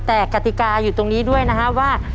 แต่กติกาอยู่ตรงนี้ด้วยนะครับว่า